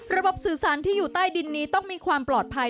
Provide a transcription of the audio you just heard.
สื่อสารที่อยู่ใต้ดินนี้ต้องมีความปลอดภัย